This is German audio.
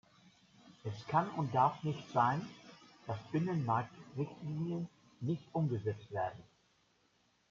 Es kann und darf nicht sein, dass Binnenmarktrichtlinien nicht umgesetzt werden.